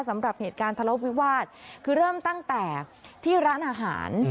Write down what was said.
สำหรับเหตุการณ์ทะเลาะวิวาสคือเริ่มตั้งแต่ที่ร้านอาหาร